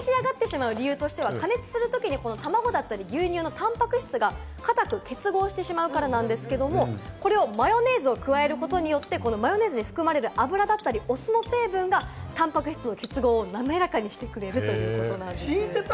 かたく仕上がってしまう理由としては、加熱するときにこのたまごだったり、牛乳のたんぱく質が硬く結合してしまうからなんですけれども、これをマヨネーズを加えることによって、マヨネーズに含まれる油だったり、お酢の成分がタンパク質の結合を滑らかにしてくれるということなんです。